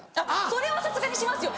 それはさすがにしますよ